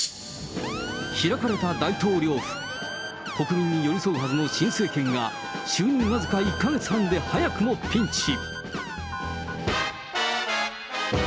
開かれた大統領府、国民に寄り添うはずの新政権が、就任僅か１か月半で早くもピンチ。